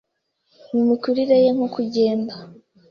mu mikurire ye nko kugenda,